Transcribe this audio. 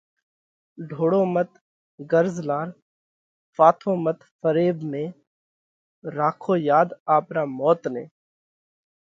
ڍوڙو مت غرض لار، ڦاٿو مت فريٻ ۾، راکو ياڌ آپرا موت نئہ!